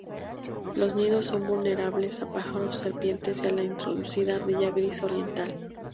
Los nidos son vulnerables a pájaros, serpientes y a la introducida ardilla gris oriental.